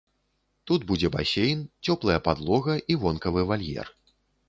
Тут будзе басейн, цёплая падлога і вонкавы вальер.